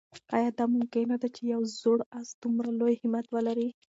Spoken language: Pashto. آیا دا ممکنه ده چې یو زوړ آس دومره لوی همت ولري؟